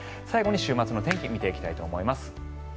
最後に週末の天気を見ていきたいと思います。